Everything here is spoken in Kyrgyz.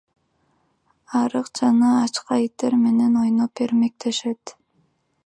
Арык жана ачка иттер менен ойноп эрмектешет.